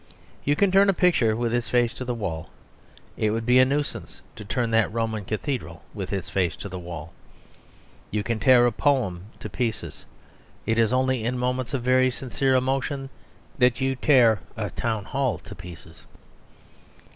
You can turn a picture with its face to the wall; it would be a nuisance to turn that Roman cathedral with its face to the wall. You can tear a poem to pieces; it is only in moments of very sincere emotion that you tear a town hall to pieces.